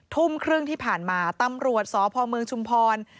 ทุ่มครึ่งที่ผ่านมาตำรวจสพเมืองชุมพร